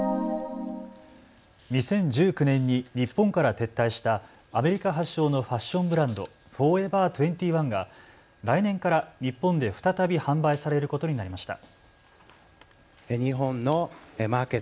２０１９年に日本から撤退したアメリカ発祥のファッションブランド、フォーエバー２１が来年から日本で再び販売されることになりました。